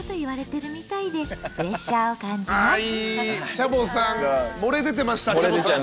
チャボさん漏れ出てましたチャボさん。